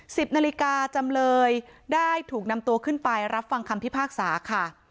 สิบนาฬิกาจำเลยได้ถูกนำตัวขึ้นไปรับฟังคำพิพากษาค่ะ